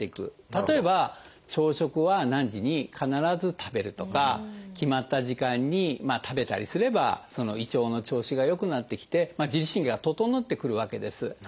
例えば朝食は何時に必ず食べるとか決まった時間に食べたりすれば胃腸の調子が良くなってきて自律神経が整ってくるわけです。